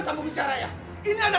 tangan jangan jangan